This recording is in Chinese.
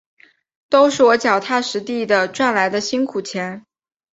都是我脚踏实地赚来的辛苦钱